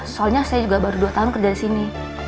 soalnya saya juga baru dua tahun kerja di sini